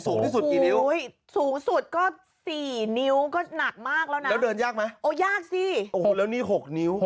สูงที่สุดกี่นิ้วสูงสุดก็สี่นิ้วก็หนักมากแล้วนะแล้วเดินยากไหมโอ้ยากสิโอ้โหแล้วนี่๖นิ้ว